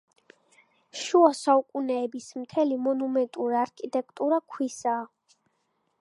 შუა საუკუნეების მთელი მონუმენტური არქიტექტურა ქვისაა.